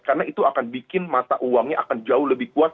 karena itu akan bikin mata uangnya akan jauh lebih kuat